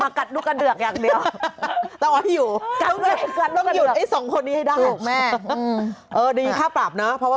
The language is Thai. มากัดลูกกเดือกอย่างเดียว